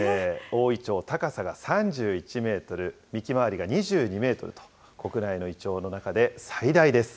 大イチョウ、高さが３１メートル、幹周りが２２メートルと、国内のイチョウの中で最大です。